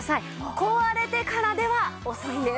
壊れてからでは遅いんです！